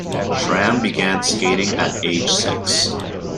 Schramm began skating at age six.